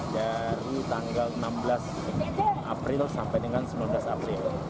dari tanggal enam belas april sampai dengan sembilan belas april